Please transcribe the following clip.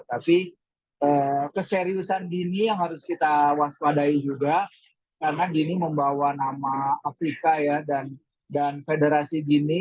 tapi keseriusan dini yang harus kita waspadai juga karena gini membawa nama afrika ya dan federasi dini